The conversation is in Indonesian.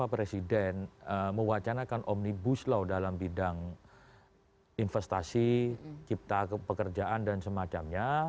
presiden mewacanakan omnibus law dalam bidang investasi cipta pekerjaan dan semacamnya